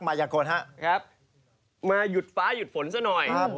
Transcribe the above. มาหยุดฟ้าหยุดฝนซะหน่อย